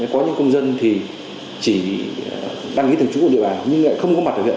có những công dân thì chỉ đăng ký thường trú ở địa bàn nhưng lại không có mặt ở huyện